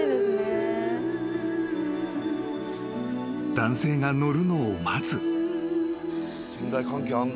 ［男性が乗るのを待つ］